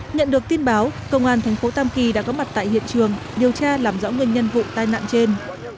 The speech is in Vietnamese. nhận được tin báo công an thành phố tam kỳ đã có mặt tại hiện trường điều tra làm rõ nguyên nhân vụ tai nạn trên